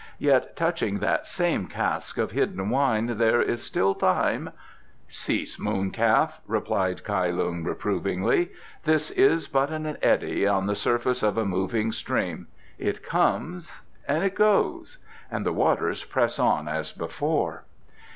Yet touching that same cask of hidden wine there is still time " "Cease, mooncalf," replied Kai Lung reprovingly. "This is but an eddy on the surface of a moving stream. It comes, it goes; and the waters press on as before."